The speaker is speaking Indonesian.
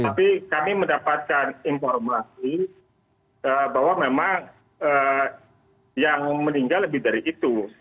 tapi kami mendapatkan informasi bahwa memang yang meninggal lebih dari itu